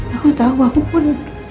aku tau aku pun